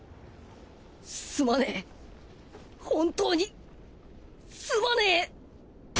すまねえ本当にすまねえ。